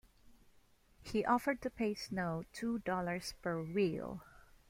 He offered to pay Snow two dollars per wheel.